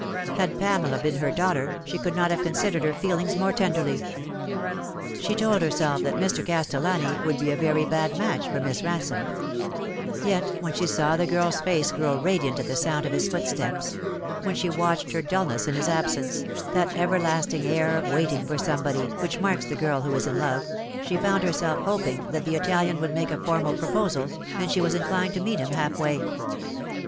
Had Pamela been her daughter she could not have considered her feelings more tenderly. She told herself that Mr. Castellani would be a very bad match for Miss Eansome ; yet when she saw the girl's face grow radiant at the sound of his footsteps, when she watched her dulness in his absence, that everlasting air of waiting for somebody which marks the girl who is in love, she found herself hoping that the Italian would make a formal proposal, and she was inclined to meet him half way.